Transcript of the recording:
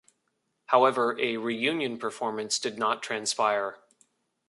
However, a reunion performance did not transpire.